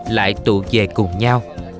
lại tụ về cùng nhau